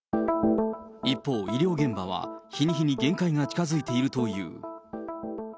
一方、医療現場は日に日に限界が近づいているという。